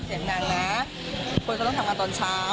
เสียงนางนะคนก็ต้องทำงานตอนเช้า